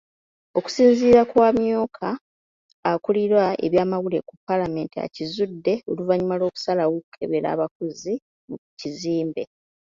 Okusinziira ku amyuka akulira ebyamawulire ku Paalamenti, akizudde oluvannyuma lw'okusalawo okukebera abakozi mu kizimbe.